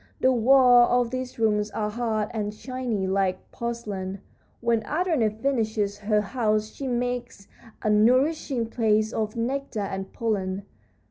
The walls of these rooms are hard and shiny, like porcelain. When Andrena finishes her house she makes a nourishing paste of nectar and pollen.